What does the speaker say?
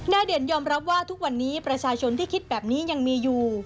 เด่นยอมรับว่าทุกวันนี้ประชาชนที่คิดแบบนี้ยังมีอยู่